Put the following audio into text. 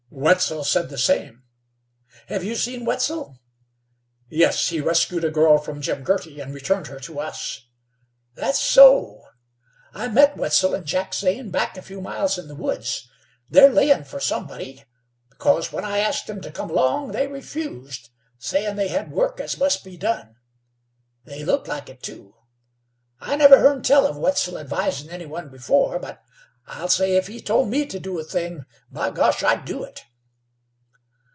"Wetzel said the same." "Hev you seen Wetzel?" "Yes; he rescued a girl from Jim Girty, and returned her to us." "That so? I met Wetzel and Jack Zane back a few miles in the woods. They're layin' for somebody, because when I asked them to come along they refused, sayin' they had work as must be done. They looked like it, too. I never hern tell of Wetzel advisin' any one before; but I'll say if he told me to do a thing, by Gosh! I'd do it."